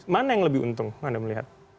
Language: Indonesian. mana yang lebih untung anda melihat